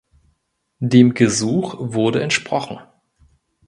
Dem Gesuch wurde entsprochen.